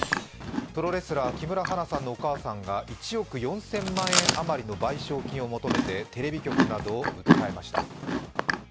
プロレスラー・木村花さんのお母さんが、１億４０００万円あまりの賠償金を求めてテレビ局などを訴えました。